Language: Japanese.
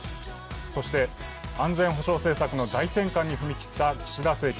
そして、安全保障政策の大転換に踏み切った岸田政権。